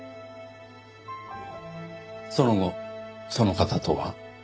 その後その方とは？